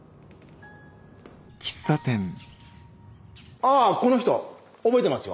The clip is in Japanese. ああこの人覚えてますよ。